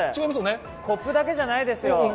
コップだけじゃないですよ。